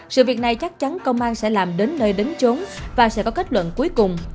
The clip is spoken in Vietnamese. sự việc này chắc chắn công an sẽ làm đến nơi đến trốn và sẽ có kết luận cuối cùng